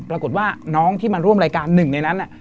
ปรากฏว่าน้องที่มาร่วมรายการหนึ่งในนั้น